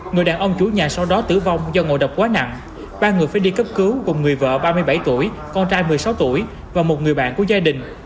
người đàn ông chủ nhà sau đó tử vong do ngồi độc quá nặng ba người phải đi cấp cứu cùng người vợ ba mươi bảy tuổi con trai một mươi sáu tuổi và một người bạn của gia đình